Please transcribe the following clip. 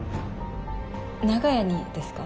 長屋にですか？